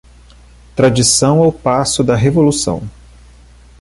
Tradição ao passo da revolução